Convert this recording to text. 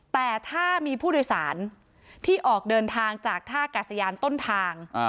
แต่ถ้ามีผู้โดยสารที่ออกเดินทางจากท่ากาศยานต้นทาง